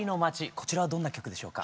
こちらはどんな曲でしょうか？